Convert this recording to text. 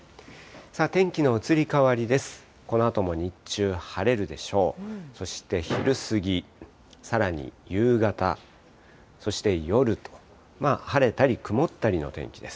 天気の移り変わりです。